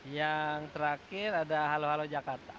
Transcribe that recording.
yang terakhir ada halo halo jakarta